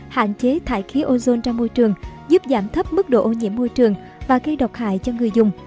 hạn chế thải khí ozone ra môi trường giúp giảm thấp mức độ ô nhiễm môi trường và gây độc hại cho người dùng